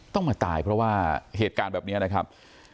ต้องมาตายเพราะว่าเหตุการณ์แบบนี้นะครับ